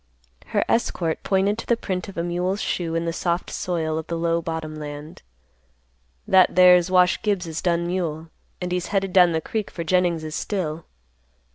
Her escort pointed to the print of a mule's shoe in the soft soil of the low bottom land. "That there's Wash Gibbs's dun mule, and he's headed down the creek for Jennings's still.